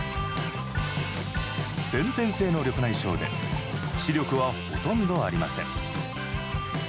先天性の緑内障で視力はほとんどありません。